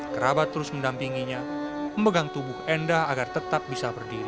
kerabat terus mendampinginya memegang tubuh enda agar tetap bisa berdiri